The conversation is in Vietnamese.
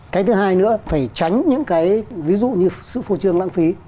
cái thứ hai nữa phải tránh những cái ví dụ như sự phô trương lãng phí